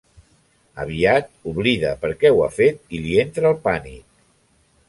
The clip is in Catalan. Aviat oblida per què ho ha fet i li entra el pànic.